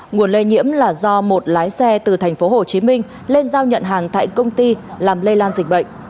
nguồn lây nhiễm là do một lái xe từ thành phố hồ chí minh lên giao nhận hàng tại công ty làm lây lan dịch bệnh